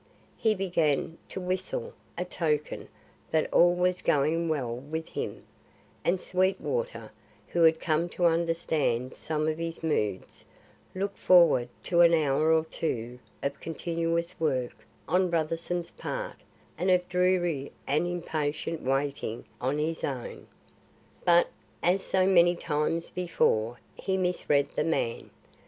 He began to whistle a token that all was going well with him, and Sweetwater, who had come to understand some of his moods, looked forward to an hour or two of continuous work on Brotherson's part and of dreary and impatient waiting on his own. But, as so many times before, he misread the man.